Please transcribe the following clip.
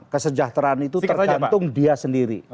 kesejahteraan itu tergantung dia sendiri